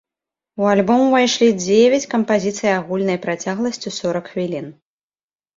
У альбом увайшлі дзевяць кампазіцый агульнай працягласцю сорак хвілін.